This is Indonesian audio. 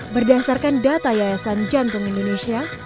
berdasarkan data yayasan jantung indonesia